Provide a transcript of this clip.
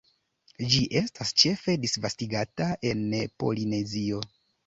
Ĝi estas ĉefe disvastigata en Polinezio.